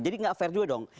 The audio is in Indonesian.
jadi gak fair juga dong